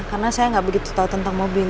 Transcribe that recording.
karena saya gak begitu tau tentang mobil